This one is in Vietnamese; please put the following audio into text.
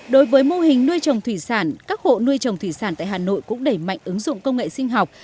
đối với mô hình nuôi trồng thủy sản các hộ nuôi trồng thủy sản tại hà nội cũng đẩy mạnh ứng dụng công nghệ sinh học